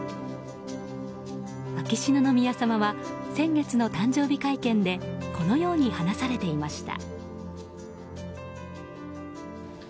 秋篠宮さまは先月の誕生日会見でこのように話されていました。